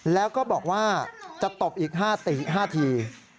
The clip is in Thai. แล้วก็บอกว่าจะตบอีก๕ที